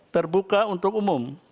terbuka untuk umum